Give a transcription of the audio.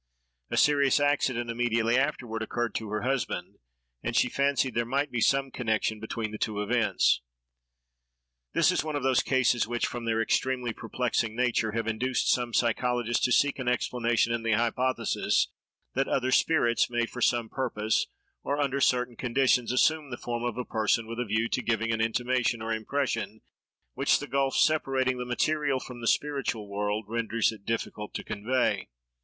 A serious accident immediately afterward occurred to her husband, and she fancied there might be some connection between the two events. This is one of those cases which, from their extremely perplexing nature, have induced some psychologists to seek an explanation in the hypothesis that other spirits may for some purpose, or under certain conditions, assume the form of a person with a view to giving an intimation or impression, which the gulf separating the material from the spiritual world renders it difficult to convey.